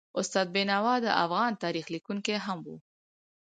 استاد بینوا د افغان تاریخ لیکونکی هم و.